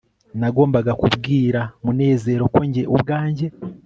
nagombaga kubwira munezero ko njye ubwanjye